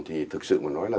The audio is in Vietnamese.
thì thực sự mà nói là